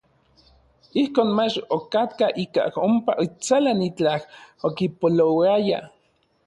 Ijkon mach okatkaj ikaj ompa intsalan itlaj okipolouaya.